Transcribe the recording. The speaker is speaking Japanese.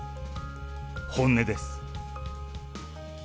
本音です。